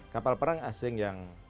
kapal perang asing yang